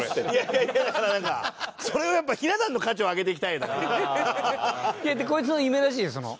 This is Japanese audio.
いやいやだからなんかやっぱひな壇の価値を上げていきたい。